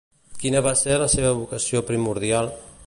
Quina va ser la seva vocació primordial?